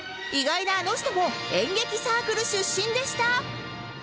意外なあの人も演劇サークル出身でした